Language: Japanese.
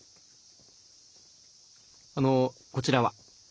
あのこちらは？